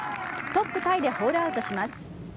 トップタイでホールアウトします。